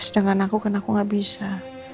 ya sudah dengan aku karena aku gak bisa